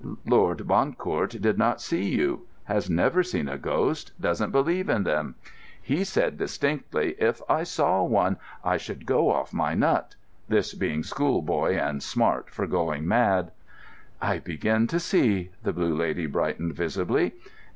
"Lord Bancourt did not see you—has never seen a ghost—doesn't believe in them. He said distinctly, 'If I saw one, I should go off my nut,'—this being schoolboy and smart for going mad." "I begin to see." The Blue Lady brightened visibly.